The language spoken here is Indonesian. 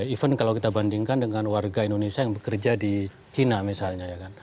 even kalau kita bandingkan dengan warga indonesia yang bekerja di china misalnya ya kan